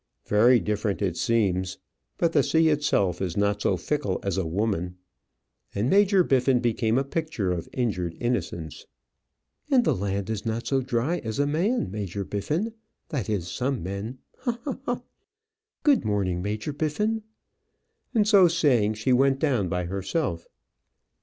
"Very different it seems. But the sea itself is not so fickle as a woman." And Major Biffin became a picture of injured innocence. "And the land is not so dry as a man, Major Biffin; that is, some men. Ha! ha! ha! Good morning, Major Biffin." And so saying, she went down by herself.